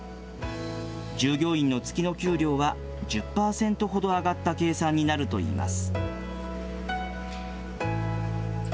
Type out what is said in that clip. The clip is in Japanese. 従業員の月の給料は１０％ほど上がった計算になるといいます。